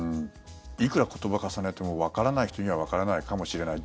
いくら言葉を重ねてもわからない人にはわからないかもしれない。